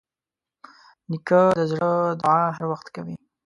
نیکه د زړه دعا هر وخت کوي.